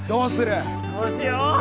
どうしよう！